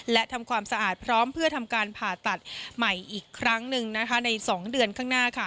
และทำความสะอาดพร้อมเพื่อทำการผ่าตัดใหม่อีกครั้งหนึ่งใน๒เดือนข้างหน้า